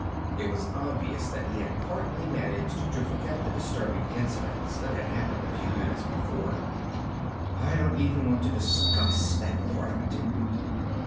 It was obvious that he had partly managed to forget the disturbing incidents that had happened a few minutes before. "I don't even want to discuss that part of it."